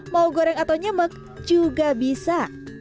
mau goreng atau nyemek juga bisa